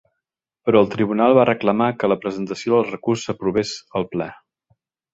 Però el tribunal va reclamar que la presentació del recurs s’aprovés al ple.